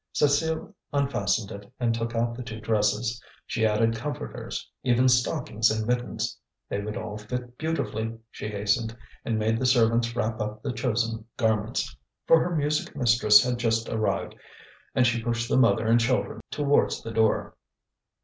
Cécile unfastened it and took out the two dresses. She added comforters, even stockings and mittens. They would all fit beautifully; she hastened and made the servants wrap up the chosen garments; for her music mistress had just arrived; and she pushed the mother and children towards the door.